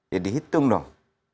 ya dihitung dong